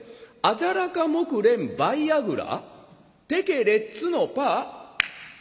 『アジャラカモクレンバイアグラテケレッツのパー』」。